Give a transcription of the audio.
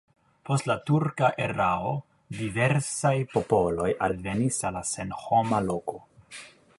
Post la turka erao diversaj popoloj alvenis al la senhomaj lokoj.